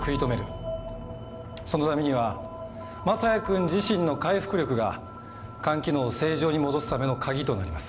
そのためには雅也君自身の回復力が肝機能を正常に戻すためのカギとなります。